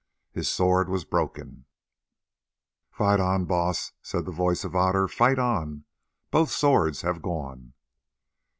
His sword was broken. "Fight on, Baas," said the voice of Otter, "fight on! Both swords have gone."